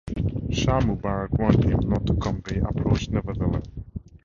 Shah Mubarak warned him not to come but he approached nevertheless.